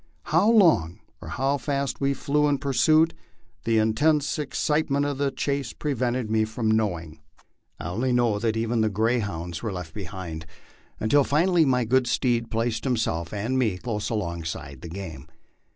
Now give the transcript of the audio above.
How long or how fast we flew in pursuit, the intense excitemen of the chase prevented me from knowing. I only knew that even the grey MY LIFE ON THE PLAINS. hounds were left behind, until finally my good steed placed himself and me close alongside the game.